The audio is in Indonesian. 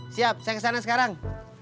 siap saya kesana sekarang